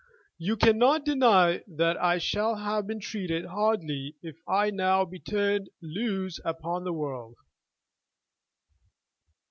You cannot deny that I shall have been treated hardly if I now be turned loose upon the world.